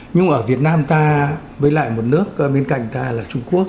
nhưng ở việt nam ta với lại một nước bên cạnh ta là trung quốc